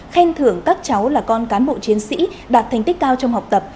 khen thưởng các cháu là con cán bộ chiến sĩ đạt thành tích cao trong học tập